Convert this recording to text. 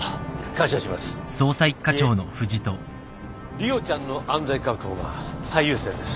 梨央ちゃんの安全確保が最優先です。